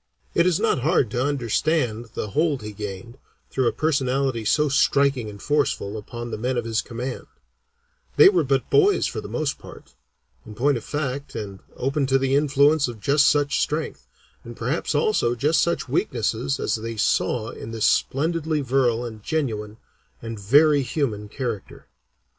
It is not hard to understand the hold he gained, through a personality so striking and forceful, upon the men of his command; they were but boys for the most part, in point of fact, and open to the influence of just such strength, and perhaps also just such weaknesses, as they saw in this splendidly virile and genuine, and very human character.